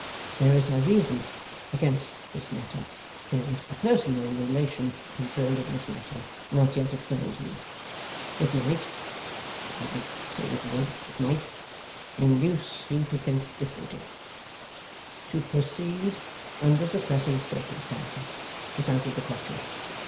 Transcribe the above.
There is a reason against this matter, there is a personal relation concerned in this matter, not yet explained to you. It might I don't say it would it might induce you to think differently. To proceed under the present circumstances is out of the question.